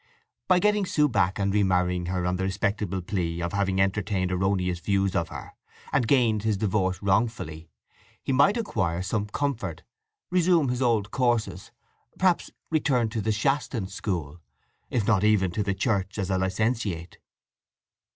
By getting Sue back and remarrying her on the respectable plea of having entertained erroneous views of her, and gained his divorce wrongfully, he might acquire some comfort, resume his old courses, perhaps return to the Shaston school, if not even to the Church as a licentiate.